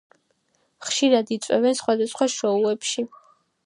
ხშირად იწვევენ სხვადასხვა შოუებში.